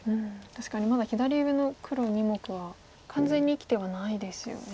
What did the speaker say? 確かにまだ左上の黒２目は完全に生きてはないですよね。